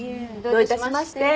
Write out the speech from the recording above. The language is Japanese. どういたしまして。